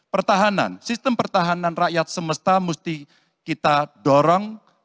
pertahanan sistem pertahanan rakyat semesta mesti kita dorong